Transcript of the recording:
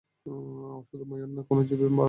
শুধু ময়ূর নয়, কোনও জীবই মারবেন না!